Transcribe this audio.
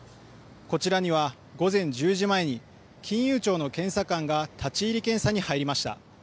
こちらには午前１０時前に金融庁の検査官が立ち入り検査に入りました。